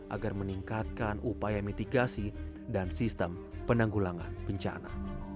agar meningkatkan upaya mitigasi dan sistem penanggulangan bencana